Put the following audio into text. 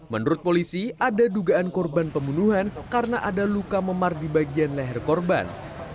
menurut polisi ada dugaan korban pembunuhan karena ada luka memar di bagian leher korban